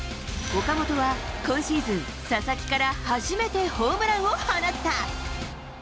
岡本は、今シーズン、佐々木から初めてホームランを放った。